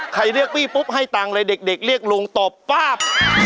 ใครเรียกพี่ปุ๊บให้ตังเลยเด็กเรียกลุงตบบ้าบ